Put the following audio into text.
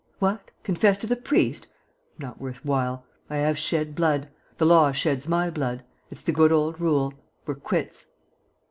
"What? Confess to the priest? Not worth while. I have shed blood. The law sheds my blood. It's the good old rule. We're quits."